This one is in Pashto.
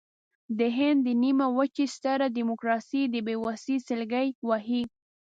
د هند د نیمې وچې ستره ډیموکراسي د بېوسۍ سلګۍ وهي.